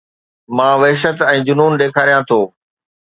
مان وحشت ۽ جنون ڏيکاريان ٿو